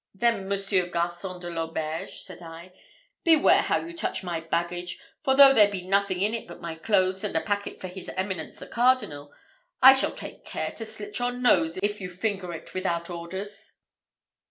"Then Monsieur Garçon de l'auberge," said I, "beware how you touch my baggage; for though there be nothing in it but my clothes and a packet for his eminence the cardinal, I shall take care to slit your nose if you finger it without orders."